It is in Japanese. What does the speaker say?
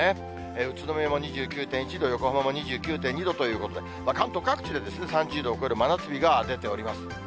宇都宮も２９．１度、横浜も２９．２度ということで、関東各地で３０度を超える真夏日が出ております。